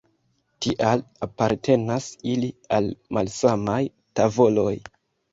Tial apartenas ili al malsamaj tavoloj.